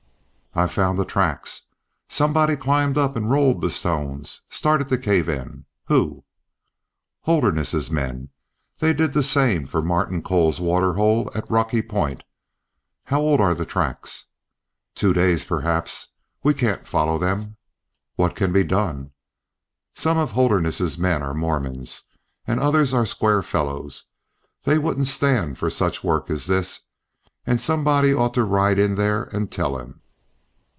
"I've found the tracks! Somebody climbed up and rolled the stones, started the cave in. Who?" "Holderness's men. They did the same for Martin Cole's waterhole at Rocky Point. How old are the tracks?" "Two days, perhaps. We can't follow them. What can be done?" "Some of Holderness's men are Mormons, and others are square fellows. They wouldn't stand for such work as this, and somebody ought to ride in there and tell them."